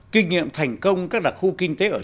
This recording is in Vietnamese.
kinh nghiệm thành công các đặc khu kinh tế ở